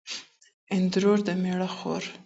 اندرور د مېړه خور